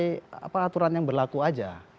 tapi aturan yang berlaku saja